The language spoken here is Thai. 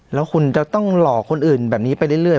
แล้วคุณจะต้องหลอกคนอื่นแบบนี้ไปเรื่อย